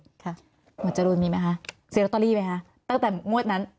หมวดจรูนมีไหมคะซื้อลอตเตอรี่ไหมคะตั้งแต่งวดนั้น